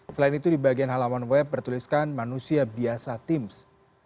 selain itu di bagian halaman web bertuliskan manusia biasa tips